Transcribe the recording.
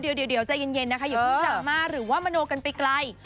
เดี๋ยวเดี๋ยวเย็นอย่าพูดสามารถหรือว่ามโมโนกันไปไกล